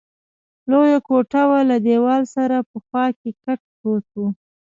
لویه کوټه وه، له دېوال سره په خوا کې کټ پروت وو.